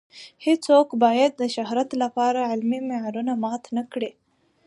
هیڅوک باید د شهرت لپاره علمي معیارونه مات نه کړي.